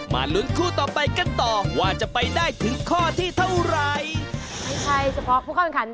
ไม่ใช่เฉพาะผู้เข้าบ้าน